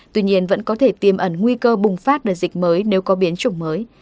tuy nhiên vẫn có thể tiêm ẩn nguy cơ bùng phát đợt dịch mới nếu có biến chủng mới